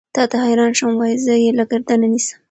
تا ته حېران شوم وائې زۀ يې له ګردنه نيسم